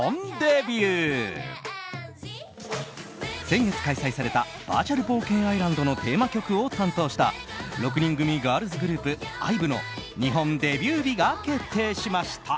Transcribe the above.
先月開催されたバーチャル冒険アイランドのテーマ曲を担当した６人組ガールズグループＩＶＥの日本デビュー日が決定しました。